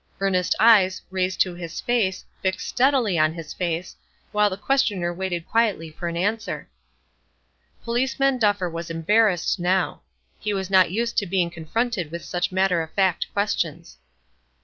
Earnest eyes, raised to his face, fixed steadily on his face, while the questioner waited quietly for an answer. Policeman Duffer was embarrassed now; he was not used to being confronted with such matter of fact questions.